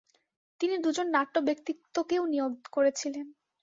তিনি দুজন নাট্য ব্যক্তিত্বকেও নিয়োগ করেছিলেন।